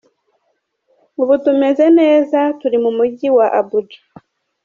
Ubu tumeze neza turi mu Mujyi wa Abuja”.